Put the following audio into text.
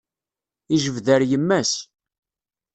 Ijbed ar yemma-s.